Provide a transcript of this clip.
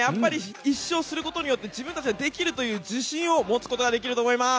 １勝することによって自分たちはできるという自信を持つことができます。